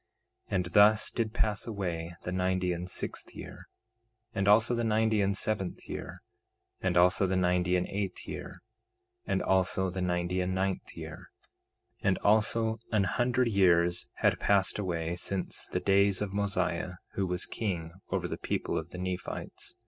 2:4 And thus did pass away the ninety and sixth year; and also the ninety and seventh year; and also the ninety and eighth year; and also the ninety and ninth year; 2:5 And also an hundred years had passed away since the days of Mosiah, who was king over the people of the Nephites.